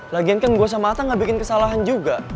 lagian kan gue sama atta gak bikin kesalahan juga